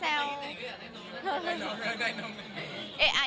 อเรนนี่ปุ๊ปอเรนนี่ปุ๊ป